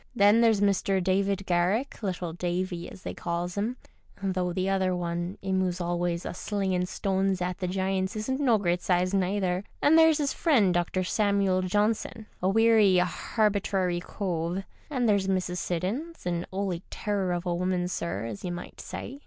Then there's Mr. David Garrick, little Davy, as they calls 'im (though the other one, 'im who's always a slingin' stones at the giants, isn't no great size, neither), and there's 'is friend Dr. Samuel Johnson, a werry harbitrary cove, and there's Mrs. Siddons, an "oly terror of a woman, sir, as you might say.